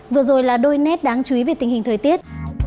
vừa rồi là đôi nét đáng chú ý về tình hình thời tiết